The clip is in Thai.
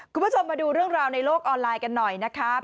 คุณผู้ชมมาดูเรื่องราวในโลกออนไลน์กันหน่อยนะครับ